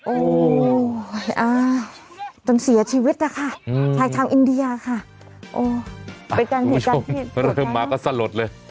โอ้ยอ่าจนเสียชีวิตล่ะค่ะอืมใช่ทางอินเดียค่ะโอ้ไปกันที่กันที่เริ่มมาก็สลดเลย